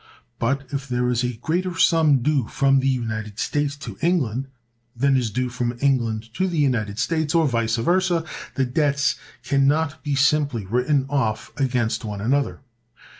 But, if there is a greater sum due from the United States to England than is due from England to the United States, or vice versa, the debts can not be simply written off against one another.